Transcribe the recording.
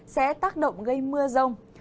sẽ tác động gây mưa rông